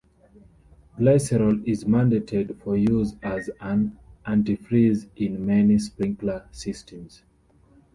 Glycerol is mandated for use as an antifreeze in many sprinkler systems.